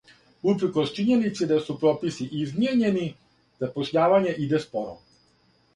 Упркос чињеници да су прописи измијењени, запошљавање иде споро.